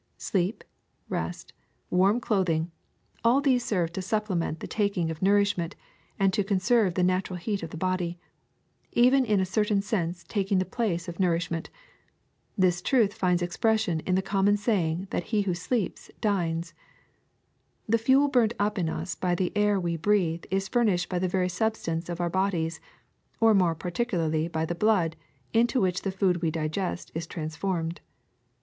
Sleep, rest, warm clothing, all these serve to supplement the taking of nourish ment and to conserve the natural heat of the body, even in a certain sense taking the place of nourish ment. This truth finds expression in the common saying that he who sleeps dines. '' The fuel burnt up in us by the air we breathe is furnished by the very substance of our bodies, or more particularly by the blood, into which the food we digest is transformed.